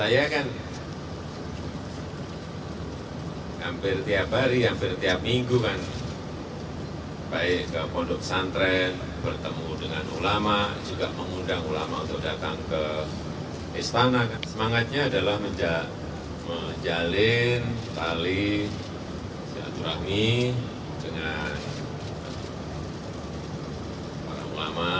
jokowi datang ke istana semangatnya adalah menjalin tali silaturahmi dengan para ulama